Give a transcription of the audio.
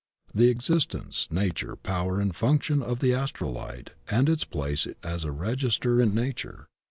The existence, nature, power, and function of the astral light and its place as a register in Nature.